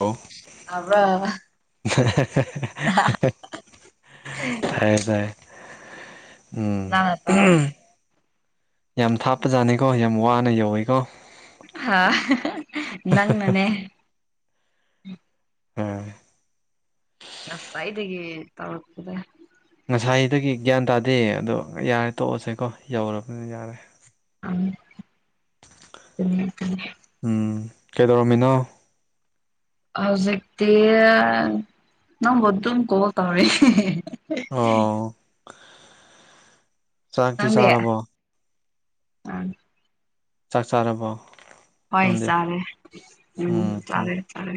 ꯍꯧ ꯑ꯭ꯔ ꯇꯥꯏ ꯇꯥꯏ ꯎꯝ ꯅꯪꯅ ꯇꯥꯎ ꯍꯥꯏ ꯌꯥꯝ ꯊꯥꯞꯄꯖꯥꯠꯅꯤꯀꯣ ꯌꯥꯝ ꯋꯥꯅ ꯌꯧꯋꯤꯀꯣ ꯍꯥ ꯅꯪ ꯅꯅꯦ ꯎꯝ ꯉꯁꯥꯏꯗꯒꯤ ꯇꯔꯣꯗ ꯉꯁꯥꯏꯗꯒꯤ ꯒ꯭ꯌꯥꯟ ꯇꯥꯗꯦ ꯑꯗꯣ ꯌꯥꯔꯦ ꯇꯣꯛꯑꯁꯦꯀꯣ ꯌꯧꯔꯕꯅ ꯌꯥꯔꯦ ꯑꯗꯨ ꯎꯝ ꯀꯩꯗꯧꯔꯝꯃꯤꯅꯣ ꯍꯧꯖꯤꯛꯛꯇꯤ ꯅꯪ ꯕꯨꯗꯨꯝ ꯀꯣꯜꯇꯧꯔꯤ ꯍꯤ ꯍꯤ ꯑꯣ ꯆꯥꯛꯇꯤ ꯅꯪꯗꯤ ꯆꯥꯔꯕꯣ ꯎꯝ ꯆꯥꯛ ꯆꯥꯔꯕꯣ ꯍꯣꯏ ꯅꯪꯗꯤ ꯆꯥꯔꯦ ꯎꯝ ꯆꯥꯔꯦ ꯆꯥꯔꯦ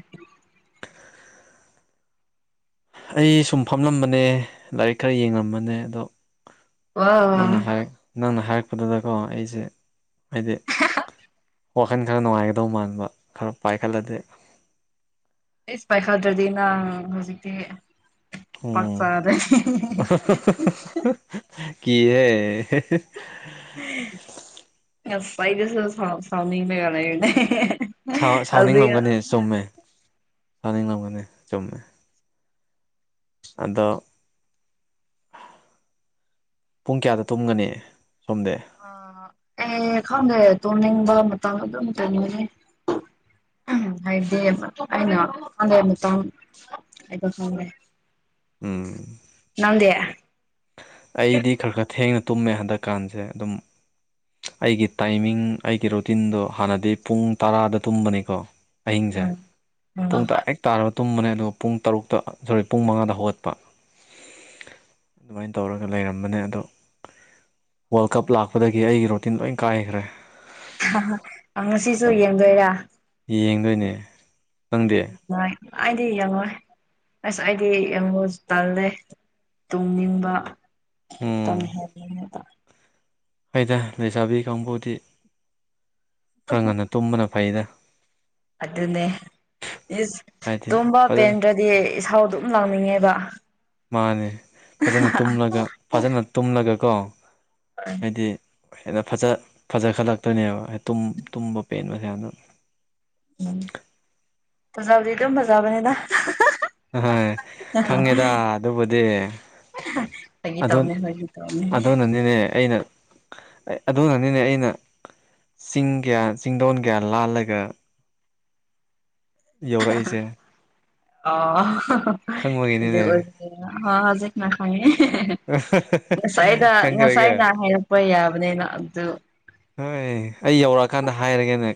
ꯑꯩ ꯁꯨꯝ ꯐꯝꯂꯝꯕꯅꯦ ꯂꯥꯏꯔꯤꯛ ꯈꯔ ꯌꯦꯡꯉꯝꯕꯅꯦ ꯑꯗꯣ ꯋꯥ ꯅꯪꯅ ꯅꯪꯅ ꯍꯥꯏꯔꯛꯄꯗꯨꯗꯀꯣ ꯑꯩꯁꯦ ꯍꯥꯏꯗꯤ ꯋꯥꯈꯜ ꯈꯔ ꯅꯨꯡꯉꯥꯏꯒꯗꯧ ꯃꯥꯟꯕ ꯈꯔ ꯄꯥꯏꯈꯠꯂꯗꯤ ꯑꯦ ꯄꯥꯏꯈꯗ꯭ꯔꯗꯤ ꯅꯪ ꯍꯧꯖꯤꯛꯇꯤ ꯄꯥꯛ ꯑꯣ ꯆꯥꯗ꯭ꯔꯦ ꯀꯤꯍꯦ ꯉꯥꯁꯥꯏꯗꯁꯨ ꯁꯥꯎꯅꯤꯡꯂꯝꯅꯦ ꯁꯥꯎ ꯍꯧꯖꯤꯛ ꯁꯥꯎꯅꯤꯡꯂꯝꯒꯅꯤ ꯆꯨꯝꯃꯦ ꯁꯥꯅꯤꯡꯉꯝꯒꯅꯤ ꯆꯨꯝꯃꯦ ꯑꯗꯣ ꯄꯨꯡ ꯀꯌꯥꯗ ꯇꯨꯝꯒꯅꯤ ꯁꯣꯝꯗꯤ ꯑ ꯑꯦ ꯈꯪꯗꯦ ꯇꯣ ꯅꯤꯡꯕ ꯃꯇꯝ ꯑꯗꯨꯝ ꯆꯪꯒꯅꯤ ꯎꯝ ꯍꯥꯏꯗꯤ ꯑꯩꯅ ꯍꯗꯩ ꯑꯃꯇꯪ ꯍꯥꯏꯗ ꯈꯔꯦ ꯎꯝ ꯅꯪꯗꯤ ꯑꯩꯗꯤ ꯈꯔ ꯈꯔ ꯊꯦꯡꯅ ꯇꯨꯝꯃꯦ ꯍꯟꯗꯛꯀꯥꯟꯁꯦ ꯑꯗꯨꯝ ꯑꯩꯒꯤ ꯇꯥꯏꯃꯤꯡ ꯑꯩꯒꯤ ꯔꯨꯇꯤꯟꯗꯣ ꯍꯥꯟꯅꯗꯤ ꯄꯨꯡ ꯇꯔꯥꯗ ꯇꯨꯝꯕꯅꯤꯀꯣ ꯑꯍꯤꯡꯁꯦ ꯎꯝ ꯄꯨꯡ ꯎꯝ ꯇꯔꯥ ꯍꯦꯛ ꯇꯥꯔꯕ ꯇꯨꯝꯕꯅꯦ ꯑꯗꯨꯒ ꯄꯨꯡ ꯇꯔꯨꯛꯇ ꯁꯣꯔ ꯄꯨꯡ ꯃꯉꯥꯗ ꯍꯧꯒꯠꯄ ꯑꯗꯨꯃꯥꯏꯅ ꯇꯧꯔꯒ ꯂꯩꯔꯝꯕꯅꯦ ꯑꯗꯣ ꯋꯥꯔꯜ ꯀꯞ ꯂꯥꯛꯄꯗꯒꯤ ꯑꯩꯒꯤ ꯔꯣ ꯇꯤꯟ ꯂꯣꯏ ꯀꯥꯏꯈ꯭ꯔꯦ ꯉꯁꯤꯁꯨ ꯌꯦꯡꯗꯣꯏꯔꯥ ꯌꯦꯡꯗꯣꯏꯅꯦ ꯅꯪꯗꯤ ꯖ ꯑꯩꯗꯤ ꯌꯦꯡꯉꯣꯏ ꯑꯁ ꯑꯩꯗꯤ ꯌꯦꯡꯉꯣꯁꯨ ꯇꯜꯂꯦ ꯇꯨꯝꯅꯤꯡꯕ ꯎꯝ ꯇꯝꯍꯟꯅꯤꯡꯕ ꯑꯩꯗ ꯂꯩꯁꯥꯕꯤ ꯀꯥꯡꯕꯨꯗꯤ ꯈꯔ ꯉꯟꯅ ꯇꯨꯝꯕꯅ ꯐꯩꯗ ꯑꯗꯨꯅꯦ ꯏꯁ ꯍꯥꯏꯗꯤ ꯇꯣꯝꯕ ꯐꯖꯅ ꯄꯦꯟꯗ꯭ꯔꯗꯤ ꯏꯁꯥꯎ ꯑꯗꯨꯝ ꯂꯥꯡꯅꯤꯡꯉꯦꯕ ꯃꯥꯅꯦ ꯐꯖꯅ ꯇꯨꯝꯂꯒ ꯐꯖꯅ ꯇꯨꯝꯂꯒꯀꯣ ꯎ ꯍꯥꯏꯗꯤ ꯍꯦꯟꯅ ꯐꯖ ꯐꯖꯈꯠꯂꯛꯇꯣꯏꯅꯦꯕ ꯇꯨꯝꯕ ꯄꯦꯟꯕꯁꯦ ꯌꯥꯝꯅ ꯎꯝ ꯐꯖꯕꯨꯗꯤ ꯑꯗꯨꯝ ꯐꯖꯕꯅꯤꯅ ꯑꯍꯣꯏ ꯈꯪꯉꯦꯗ ꯑꯗꯨꯕꯨꯗꯤ ꯐꯥꯒꯤ ꯑꯗꯨ ꯇꯧꯕꯅꯦ ꯐꯥꯒꯤ ꯇꯧꯕꯅꯦ ꯑꯗꯨꯅꯅꯤꯅꯦ ꯑꯩꯅ ꯑꯗꯨꯅꯅꯤꯅꯦ ꯑꯩꯅ ꯆꯤꯡ ꯀꯌꯥ ꯆꯤꯡꯗꯣꯟ ꯀꯌꯥ ꯂꯥꯜꯂꯒ ꯌꯧꯔꯛꯏꯁꯦ ꯑꯣ ꯈꯪꯕꯒꯤꯅꯤꯅꯦ ꯍ ꯍꯧꯖꯤꯅꯈꯥꯏ ꯉꯁꯥꯏꯗ ꯈꯪꯈ꯭ꯔꯦꯒ ꯉꯁꯥꯏꯅ ꯍꯥꯏꯔꯛꯄ ꯌꯥꯕꯅꯤꯅ ꯑꯗꯨ ꯍꯣꯏ ꯑꯩ ꯌꯧꯔꯛꯑꯀꯥꯟꯗ ꯍꯥꯏꯔꯒꯦꯅꯦ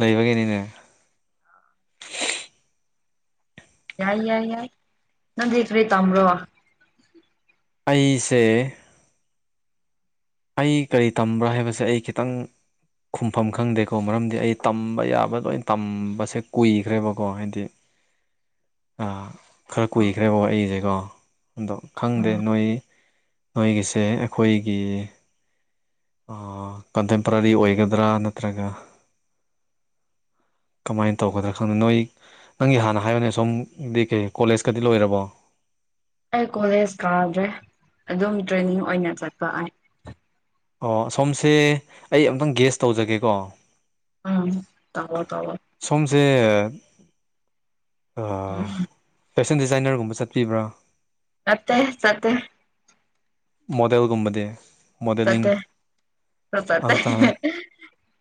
ꯂꯩꯕꯒꯤꯅꯤꯅꯦ ꯌꯥꯏ ꯌꯥꯏ ꯌꯥꯏ ꯅꯪꯗꯤ ꯀꯔꯤ ꯇꯝꯕꯔꯣ ꯑꯩꯁꯦ ꯑꯩ ꯀꯔꯤ ꯇꯝꯕ꯭ꯔꯥ ꯍꯥꯏꯕꯁꯦ ꯑꯩ ꯈꯤꯇꯪ ꯈꯨꯝꯐꯝ ꯈꯪꯗꯦꯀꯣ ꯃꯔꯝꯗꯤ ꯑꯩ ꯇꯝꯕ ꯌꯥꯕ ꯂꯣꯏꯅ ꯇꯝꯕꯁꯦ ꯀꯨꯏꯈ꯭ꯔꯦꯕꯀꯣ ꯍꯥꯏꯗꯤ [inaudible] ꯈꯔ ꯀꯨꯏꯈ꯭ꯔꯦꯕꯣ ꯑꯩꯁꯦꯀꯣ ꯑꯗꯣ ꯎꯝ ꯈꯪꯗꯦ ꯅꯣꯏ ꯅꯣꯏꯒꯤꯁꯦ ꯑꯩꯈꯣꯏꯒꯤ ꯀꯟꯇꯦꯝꯄꯔꯔꯤ ꯑꯣꯏꯒꯗ꯭ꯔꯥ ꯅꯠꯇ꯭ꯔꯒ [inaudible] ꯀꯃꯥꯏꯅ ꯇꯧꯒꯗ꯭ꯔꯥ ꯈꯪꯗ ꯅꯣꯏ ꯅꯪꯒꯤ ꯍꯥꯟꯅ ꯍꯥꯏꯕꯅꯦ ꯁꯣꯝꯗꯤ ꯀꯩ ꯀꯣꯂꯦꯖꯀꯗꯤ ꯂꯣꯏꯔꯕꯣ ꯑꯩ ꯀꯣꯂꯦꯖ ꯀꯥꯗ꯭ꯔꯦ ꯑꯗꯨꯝ ꯇ꯭ꯔꯦꯅꯤꯡ ꯑꯣꯏꯅ ꯆꯠꯄ ꯑꯩ ꯑꯣ ꯁꯣꯝꯁꯦ ꯑꯩ ꯑꯝꯇꯪ ꯒꯦꯁ ꯇꯧꯖꯒꯦꯀꯣ ꯎꯝ ꯇꯕꯣ ꯇꯑꯣꯣ ꯁꯁꯦ ꯑ ꯎꯝ ꯐꯦꯁꯟ ꯗꯤꯖꯥꯏꯅꯔꯒꯨꯝꯕ ꯆꯠꯄꯤꯕ꯭ꯔꯥ ꯃꯠꯇꯦ ꯁꯠꯇꯦ ꯃꯣꯗꯦꯜꯒꯨꯝꯕꯗꯤ ꯃꯣꯗꯦꯂꯤꯡ ꯆꯠꯇꯦ ꯆꯠꯇꯦ ꯑꯗꯨꯇꯥꯔꯦ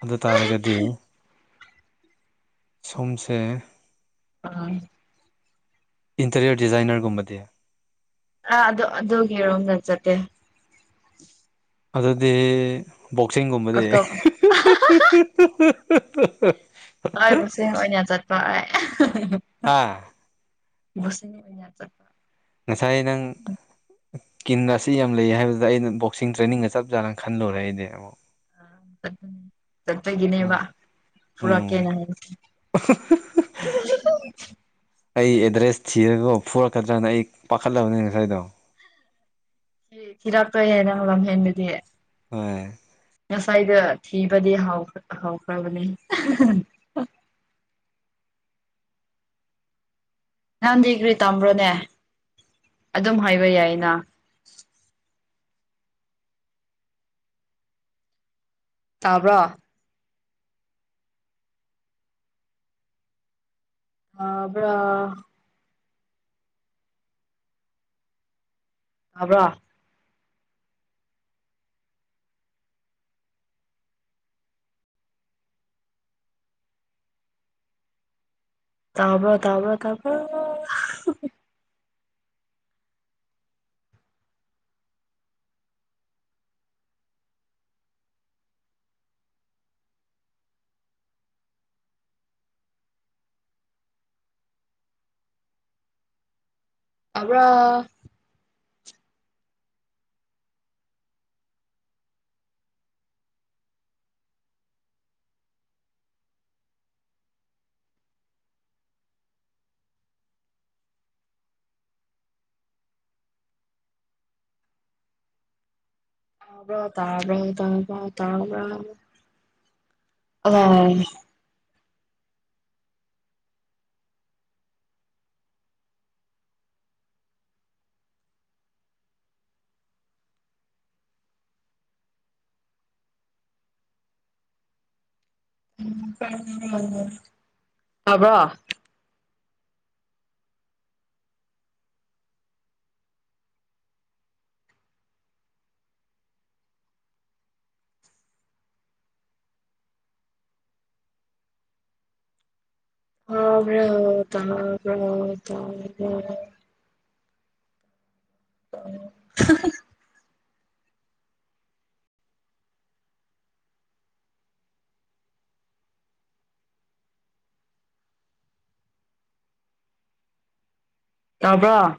ꯑꯗꯨ ꯇꯥꯔꯒꯗꯤ ꯁꯣꯝꯁꯦ ꯎꯝ ꯏꯟꯇꯔꯤꯌꯔ ꯗꯤꯖꯥꯏꯅꯔꯒꯨꯝꯕꯗꯤ ꯑ ꯑꯗꯨꯗꯣ ꯑꯗꯨꯣ ꯀꯦꯣꯝ ꯅꯟꯖꯗꯦ ꯑꯗꯨꯗꯤ ꯕꯣꯛꯁꯤꯡꯒꯨꯝꯕꯗꯤ ꯑꯇꯣꯞ ꯍꯣꯏꯕꯨꯁ ꯑꯣꯏꯅ ꯑꯣꯏꯅ ꯆꯠꯄ ꯍꯥꯥ ꯁꯅꯤ ꯆ ꯉꯁꯥꯏ ꯅꯪ ꯀꯟ ꯑꯁꯤ ꯌꯥꯝ ꯂꯩꯌꯦ ꯍꯥꯏꯕꯗꯨꯗ ꯑꯩꯅ ꯕꯣꯛꯁꯤꯡ ꯇ꯭ꯔꯦꯅꯤꯡꯒ ꯆꯞ ꯆꯥꯅ ꯈꯜꯂꯨꯔꯦ ꯑꯩꯗꯤ ꯑꯃꯨꯛ ꯑ ꯆ ꯑꯗꯨ ꯎꯝ ꯆꯠꯇꯒꯤꯅꯦꯕ ꯄꯔ ꯎꯝ ꯀꯩꯅ ꯍꯥꯏ ꯑꯩ ꯑꯦꯗ꯭ꯔꯦꯁ ꯊꯤꯔꯒ ꯐꯨꯔꯛꯀꯗ꯭ꯔꯅ ꯑꯩ ꯄꯥꯈꯠꯂꯕꯅꯦ ꯉꯁꯥꯏꯗꯣ ꯍ ꯐꯤꯔꯥꯛꯇꯣꯏꯍꯦ ꯅꯪ ꯂꯝꯍꯦꯟꯕꯗꯤꯌꯦ ꯍ ꯉꯁꯥꯏꯗ ꯊꯤꯕꯗꯤ ꯍꯥꯎꯈ꯭ꯔꯕꯅꯤ ꯅꯍꯥꯟꯗꯤ ꯀꯒ꯭ꯔꯤ ꯇꯥꯝꯕ꯭ꯔꯣꯅꯦ ꯑꯗꯨꯝ ꯍꯥꯏꯕ ꯌꯥꯏꯅ ꯇꯥꯕ꯭ꯔꯣ ꯑꯕ꯭ꯔ ꯇꯕ꯭ꯔꯥ ꯇꯥꯕ꯭ꯔꫭ ꯇꯥꯕ꯭ꯔꫭ ꯇꯥꯕ꯭ꯔꫭ [unintelligible] ꯇꯥꯕ꯭ꯔꫭ ꯇꯥꯕ꯭ꯔꫭ ꯇꯥꯕ꯭ꯔꫭ ꯇꯥꯕ꯭ꯔꫭ ꯑꯣ [unintelligible] ꯇꯕ꯭ꯔꯣ [unintelligible] ꯇꯥꯕ꯭ꯔꫭ ꯇꯥꯕ꯭ꯔꫭ ꯑꯣ ꯇꯕ